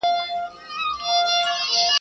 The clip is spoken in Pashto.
پر حجره یې لکه مار وګرځېدمه.